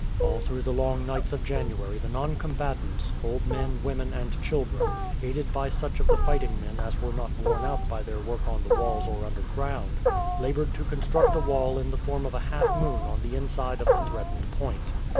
All through the long nights of January the noncombatants, old men, women, and children, aided by such of the fighting men as were not worn out by their work on the walls or underground, laboured to construct a wall in the form of a half moon on the inside of the threatened point.